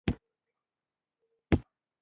غول د نس کارنامه ده.